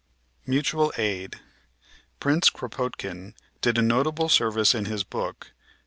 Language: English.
Mutual Aid Prince Kropotkin did a notable service in his book.